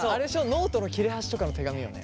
ノートの切れ端とかの手紙よね？